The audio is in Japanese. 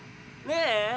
ねえ